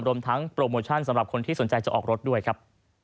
รวมทั้งโปรโมชั่นสำหรับคนที่สนใจจะออกรถด้วยครับ